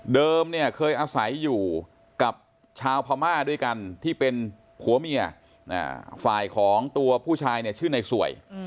เนี่ยเคยอาศัยอยู่กับชาวพม่าด้วยกันที่เป็นผัวเมียฝ่ายของตัวผู้ชายเนี่ยชื่อในสวย